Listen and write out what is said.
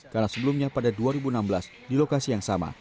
karena sebelumnya pada dua ribu enam belas di lokasi yang sama